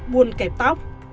buồn kẹp tóc